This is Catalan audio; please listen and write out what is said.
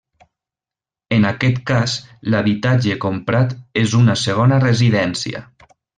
En aquest cas l'habitatge comprat és una segona residència.